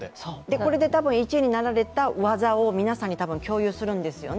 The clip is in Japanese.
これで１位になられた技を、皆さんに共有するんですよね。